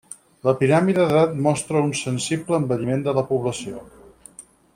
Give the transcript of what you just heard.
La piràmide d'edat mostra un sensible envelliment de la població.